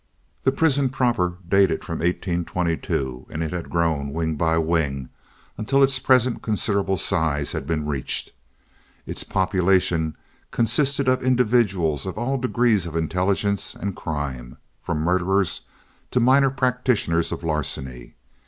The prison proper dated from 1822, and it had grown, wing by wing, until its present considerable size had been reached. Its population consisted of individuals of all degrees of intelligence and crime, from murderers to minor practitioners of larceny.